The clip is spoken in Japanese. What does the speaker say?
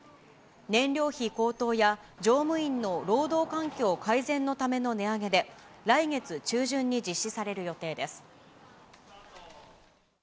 燃料費高騰や、乗務員の労働環境改善のための値上げで、来月中旬に実施される予定です。